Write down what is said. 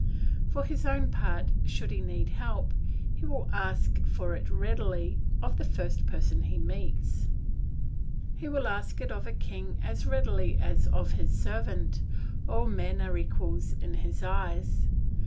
For his own part, should he need help, he will ask it readily of the first person he meets. He will ask it of a king as readily as of his servant; all men are equals in his eyes.